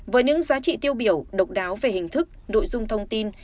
với những giá trị tiêu biểu độc đáo về hình thức nội dung thông tin